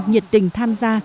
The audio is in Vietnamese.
nhiệt tình tham gia